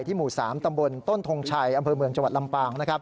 หมู่๓ตำบลต้นทงชัยอำเภอเมืองจังหวัดลำปาง